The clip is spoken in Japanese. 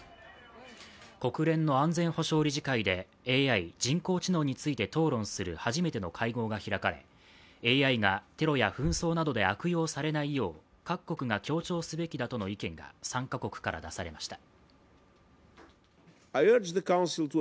国連の安全保障理事会でＡＩ＝人工知能について討論する初めての会合が開かれ、ＡＩがテロや紛争などで悪用されないよう各国が協調すべきだとの意見が参加国から出されました。